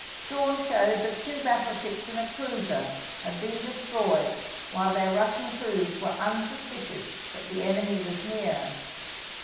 Dawn showed that two battleships and a cruiser had been destroyed while their Rus sian crews were unsuspicious that the enemy was near.